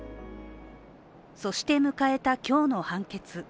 そして迎えた今日の判決。